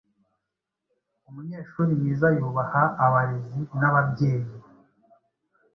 Umunyeshuri mwiza yubaha abarezi n’ababyeyi.